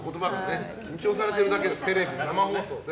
緊張されてるだけですねテレビの生放送で。